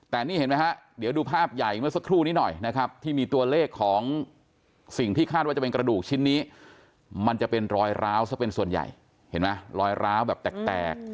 แต่นี่เห็นไหมฮะเดี๋ยวดูภาพใหญ่เมื่อสักครู่นี้หน่อยนะครับที่มีตัวเลขของสิ่งที่คาดว่าจะเป็นกระดูกชิ้นนี้มันจะเป็นรอยร้าวซะเป็นส่วนใหญ่เห็นไหมรอยร้าวแบบแตก